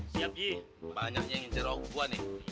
siap gih banyaknya yang mencerok gue nih